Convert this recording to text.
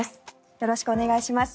よろしくお願いします。